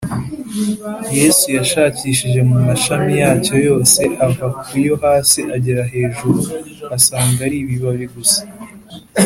yesu yashakishije mu mashami yacyo yose, ava kuyo hasi agera hejuru asanga ari ‘ibibabi gusa